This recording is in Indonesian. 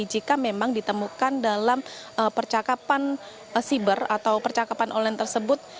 jadi jika memang ditemukan dalam percakapan cyber atau percakapan online tersebut